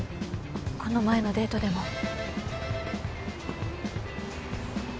この前のデートでも。